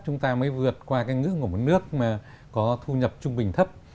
chúng ta mới vượt qua cái ngữ của một nước mà có thu nhập trung bình thấp